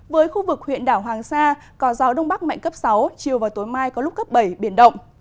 với khu vực huyện đảo hoàng sa có gió đông bắc mạnh cấp sáu chiều và tối mai có lúc cấp bảy biển động